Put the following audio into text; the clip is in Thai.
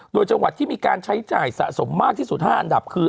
โดยจังหวัดที่มีการใช้จ่ายสะสมมากที่สุด๕อันดับคือ